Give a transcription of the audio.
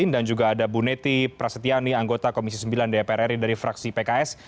dan juga ada bu neti prasetyani anggota komisi sembilan dpr ri dari fraksi pks